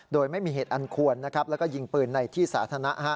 โดยไม่มีเหตุอันควรแล้วก็ยิงปืนในที่สาธารณะ